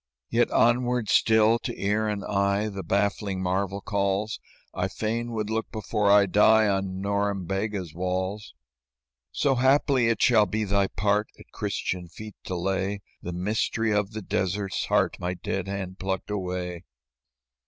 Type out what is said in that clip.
"Yet onward still to ear and eye The baffling marvel calls; I fain would look before I die On Norembega's walls. "So, haply, it shall be thy part At Christian feet to lay The mystery of the desert's heart My dead hand plucked away.